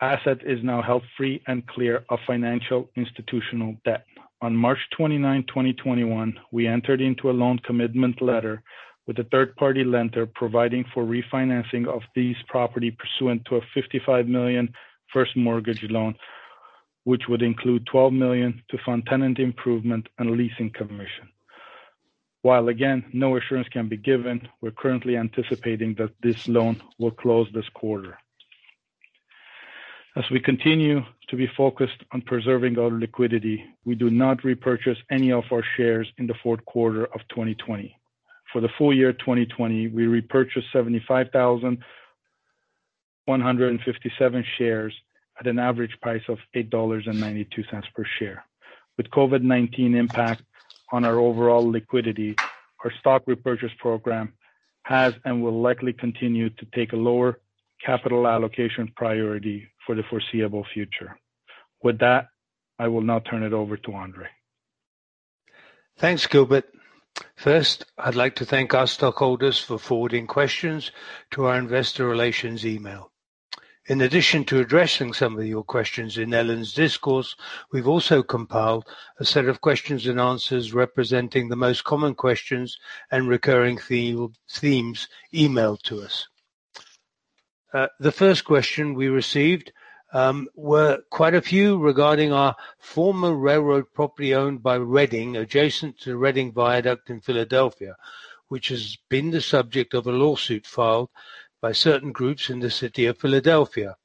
asset is now held free and clear of financial institutional debt. On March 29, 2021, we entered into a loan commitment letter with a third-party lender providing for refinancing of this property pursuant to a $55 million first mortgage loan, which would include $12 million to fund tenant improvement and leasing commission. While again, no assurance can be given, we're currently anticipating that this loan will close this quarter. As we continue to be focused on preserving our liquidity, we do not repurchase any of our shares in the fourth quarter of 2020. For the full year 2020, we repurchased 75,157 shares at an average price of $8.92 per share. With COVID-19 impact on our overall liquidity, our stock repurchase program has and will likely continue to take a lower capital allocation priority for the foreseeable future. With that, I will now turn it over to Andrzej. Thanks, Gilbert. First, I'd like to thank our stockholders for forwarding questions to our investor relations email. In addition to addressing some of your questions in Ellen's discourse, we've also compiled a set of questions and answers representing the most common questions and recurring themes emailed to us. The first question we received were quite a few regarding our former railroad property owned by Reading, adjacent to Reading Viaduct in Philadelphia, which has been the subject of a lawsuit filed by certain groups in the city of Philadelphia.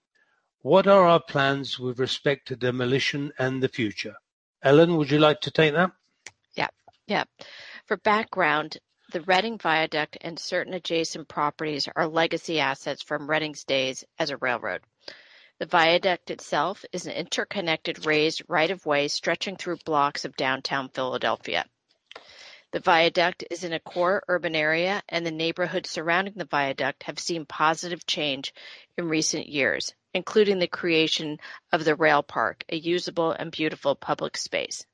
What are our plans with respect to demolition and the future? Ellen, would you like to take that? Yeah. For background, the Reading Viaduct and certain adjacent properties are legacy assets from Reading’s days as a railroad. The viaduct itself is an interconnected raised right-of-way stretching through blocks of downtown Philadelphia. The viaduct is in a core urban area, and the neighborhood surrounding the viaduct have seen positive change in recent years, including the creation of the Rail Park, a usable and beautiful public space.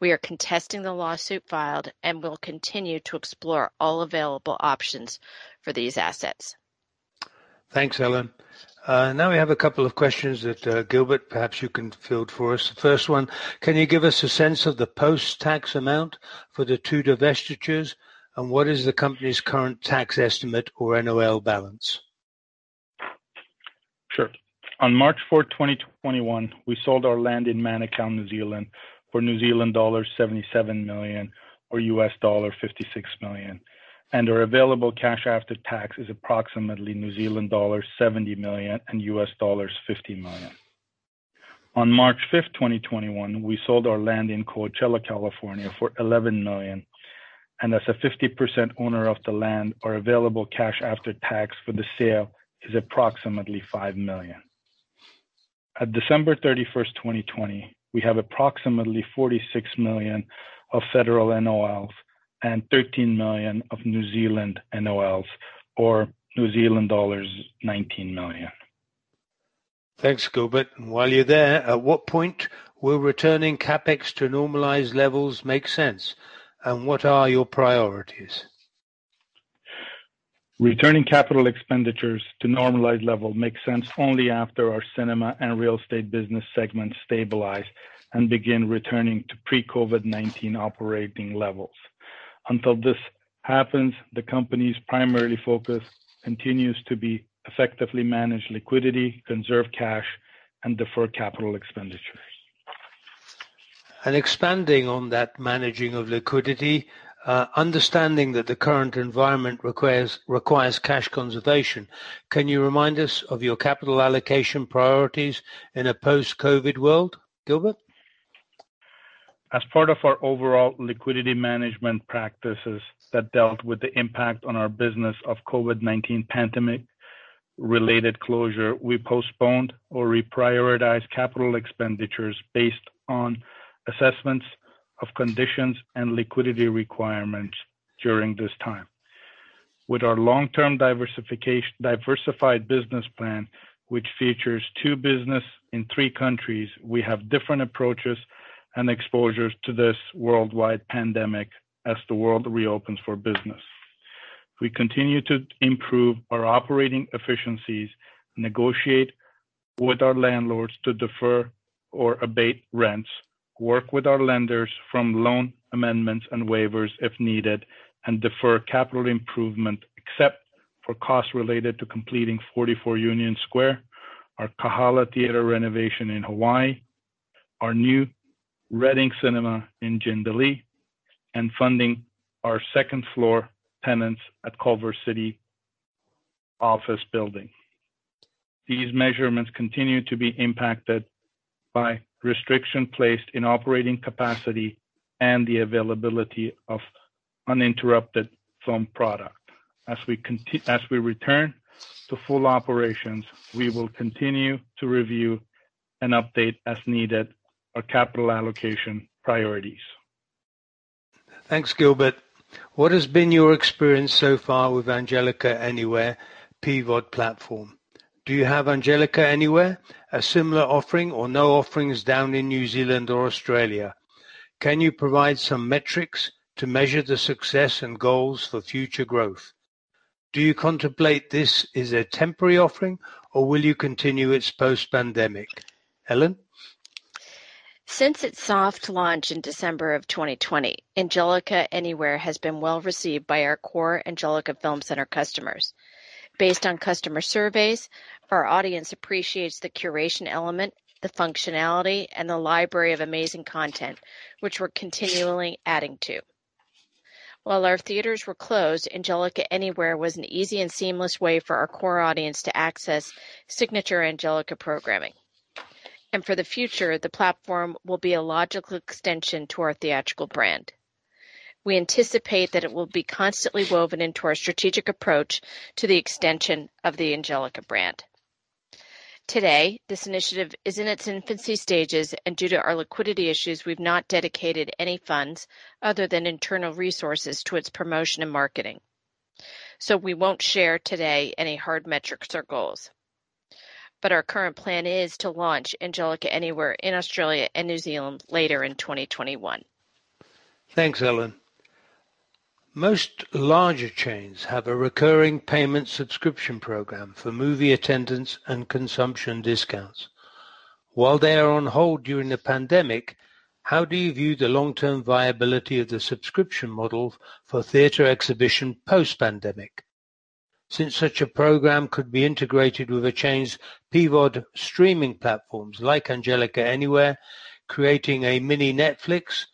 We are contesting the lawsuit filed and will continue to explore all available options for these assets. Thanks, Ellen. We have a couple of questions that, Gilbert, perhaps you can field for us. The first one, can you give us a sense of the post-tax amount for the two divestitures, and what is the company's current tax estimate or NOL balance? Sure. On March 4, 2021, we sold our land in Manukau, New Zealand for New Zealand dollars 77 million, or $56 million, and our available cash after tax is approximately New Zealand dollars 70 million and $50 million. On March 5, 2021, we sold our land in Coachella, California for $11 million. As a 50% owner of the land, our available cash after tax for the sale is approximately $5 million. At December 31st, 2020, we have approximately $46 million of federal NOLs and 13 million of New Zealand NOLs, or New Zealand dollars 19 million. Thanks, Gilbert. While you're there, at what point will returning CapEx to normalized levels make sense, and what are your priorities? Returning capital expenditures to normalized level makes sense only after our cinema and real estate business segments stabilize and begin returning to pre-COVID-19 operating levels. Until this happens, the company's primary focus continues to be effectively manage liquidity, conserve cash, and defer capital expenditures. Expanding on that managing of liquidity, understanding that the current environment requires cash conservation, can you remind us of your capital allocation priorities in a post-COVID world, Gilbert? As part of our overall liquidity management practices that dealt with the impact on our business of COVID-19 pandemic-related closure, we postponed or reprioritized capital expenditures based on assessments of conditions and liquidity requirements during this time. With our long-term diversified business plan, which features two business in three countries, we have different approaches and exposures to this worldwide pandemic as the world reopens for business. We continue to improve our operating efficiencies, negotiate with our landlords to defer or abate rents, work with our lenders from loan amendments and waivers if needed, and defer capital improvement, except for costs related to completing 44 Union Square, our Kahala Theater renovation in Hawaii, our new Reading Cinema in Jindalee, and funding our second-floor tenants at Culver City office building. These measurements continue to be impacted by restriction placed in operating capacity and the availability of uninterrupted film product. As we return to full operations, we will continue to review and update as needed our capital allocation priorities. Thanks, Gilbert. What has been your experience so far with Angelika Anywhere PVOD platform? Do you have Angelika Anywhere, a similar offering or no offerings down in New Zealand or Australia? Can you provide some metrics to measure the success and goals for future growth? Do you contemplate this is a temporary offering, or will you continue it post-pandemic? Ellen? Since its soft launch in December of 2020, Angelika Anywhere has been well-received by our core Angelika Film Center customers. Based on customer surveys, our audience appreciates the curation element, the functionality, and the library of amazing content, which we're continually adding to. While our theaters were closed, Angelika Anywhere was an easy and seamless way for our core audience to access signature Angelika programming. For the future, the platform will be a logical extension to our theatrical brand. We anticipate that it will be constantly woven into our strategic approach to the extension of the Angelika brand. Today, this initiative is in its infancy stages, and due to our liquidity issues, we've not dedicated any funds other than internal resources to its promotion and marketing. We won't share today any hard metrics or goals, but our current plan is to launch Angelika Anywhere in Australia and New Zealand later in 2021. Thanks, Ellen. Most larger chains have a recurring payment subscription program for movie attendance and consumption discounts. While they are on hold during the pandemic, how do you view the long-term viability of the subscription model for theater exhibition post-pandemic? Since such a program could be integrated with a chain's PVOD streaming platforms like Angelika Anywhere, creating a mini Netflix,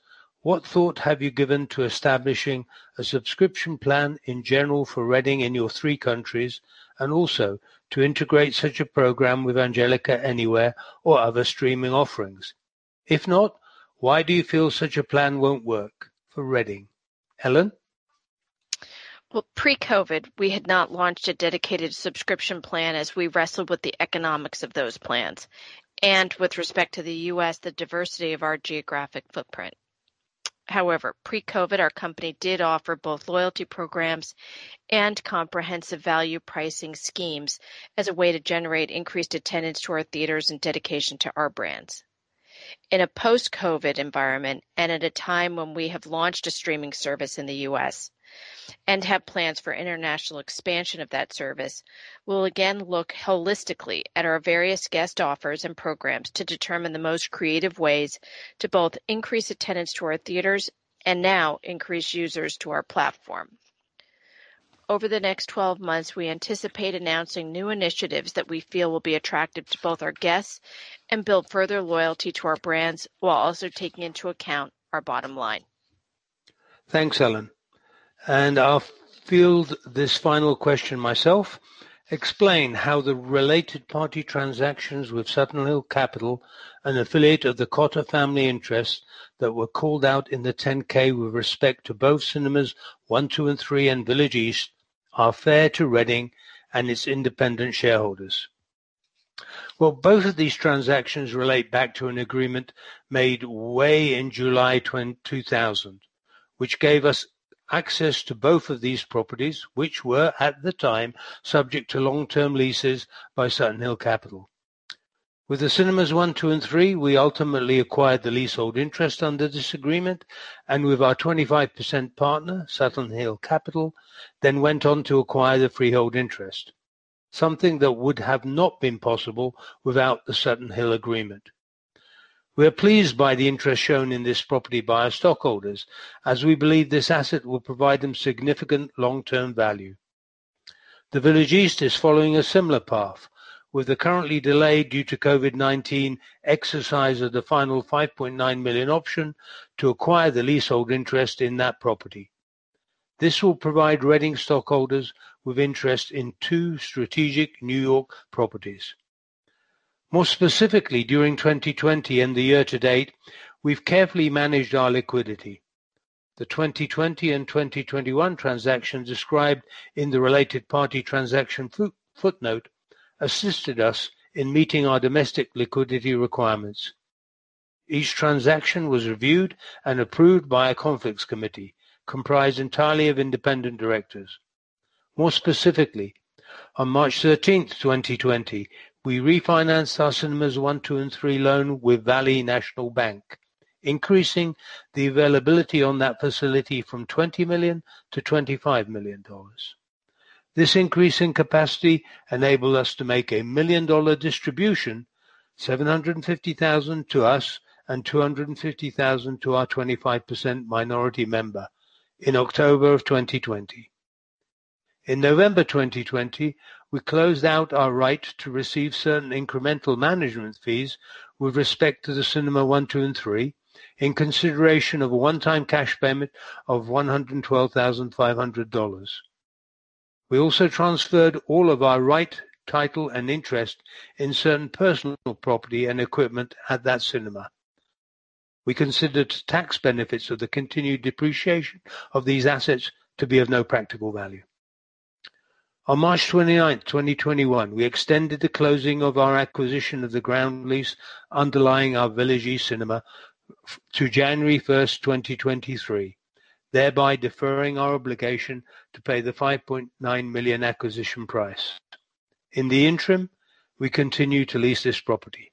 what thought have you given to establishing a subscription plan in general for Reading in your three countries, and also to integrate such a program with Angelika Anywhere or other streaming offerings? If not, why do you feel such a plan won't work for Reading? Ellen? Well, pre-COVID, we had not launched a dedicated subscription plan as we wrestled with the economics of those plans, and with respect to the U.S., the diversity of our geographic footprint. However, pre-COVID, our company did offer both loyalty programs and comprehensive value pricing schemes as a way to generate increased attendance to our theaters and dedication to our brands. In a post-COVID environment and at a time when we have launched a streaming service in the U.S. and have plans for international expansion of that service, we'll again look holistically at our various guest offers and programs to determine the most creative ways to both increase attendance to our theaters and now increase users to our platform. Over the next 12 months, we anticipate announcing new initiatives that we feel will be attractive to both our guests and build further loyalty to our brands while also taking into account our bottom line. Thanks, Ellen. I'll field this final question myself. Explain how the related party transactions with Sutton Hill Capital, an affiliate of the Cotter family interest, that were called out in the Form 10-K with respect to both Cinemas one, two, and three and Village East are fair to Reading and its independent shareholders. Well, both of these transactions relate back to an agreement made way in July 2000, which gave us access to both of these properties, which were at the time, subject to long-term leases by Sutton Hill Capital. With the Cinemas 1, 2, and 3 we ultimately acquired the leasehold interest under this agreement, and with our 25% partner, Sutton Hill Capital, then went on to acquire the freehold interest, something that would have not been possible without the Sutton Hill agreement. We are pleased by the interest shown in this property by our stockholders, as we believe this asset will provide them significant long-term value. The Village East is following a similar path with the currently delayed, due to COVID-19, exercise of the final $5.9 million option to acquire the leasehold interest in that property. This will provide Reading stockholders with interest in two strategic New York properties. During 2020 and the year to date, we've carefully managed our liquidity. The 2020 and 2021 transactions described in the related party transaction footnote assisted us in meeting our domestic liquidity requirements. Each transaction was reviewed and approved by a conflicts committee comprised entirely of independent directors. On March 13th, 2020, we refinanced our Cinemas one, two, and three loan with Valley National Bank, increasing the availability on that facility from $20 million to $25 million. This increase in capacity enabled us to make a million-dollar distribution, $750,000 to us and $250,000 to our 25% minority member in October of 2020. In November 2020, we closed out our right to receive certain incremental management fees with respect to the Cinema 1, 2, and 3 in consideration of a one-time cash payment of $112,500. We also transferred all of our right, title, and interest in certain personal property and equipment at that cinema. We considered tax benefits of the continued depreciation of these assets to be of no practical value. On March 29th, 2021, we extended the closing of our acquisition of the ground lease underlying our Village East Cinema to January 1st, 2023, thereby deferring our obligation to pay the $5.9 million acquisition price. In the interim, we continue to lease this property.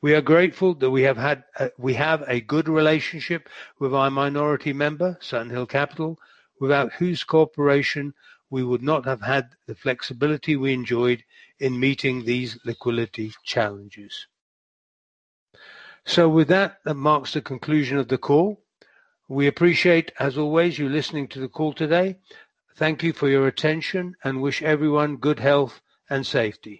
We are grateful that we have a good relationship with our minority member, Sutton Hill Capital, without whose cooperation we would not have had the flexibility we enjoyed in meeting these liquidity challenges. With that marks the conclusion of the call. We appreciate, as always, you listening to the call today. Thank you for your attention and wish everyone good health and safety.